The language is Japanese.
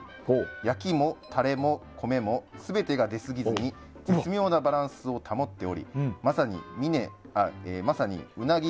焼きもタレも米も全てが出すぎずに絶妙なバランスを保っておりまさにウナギ。